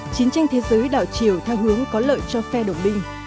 chiến tranh thế giới đảo chiều theo hướng có lợi cho phe đồng binh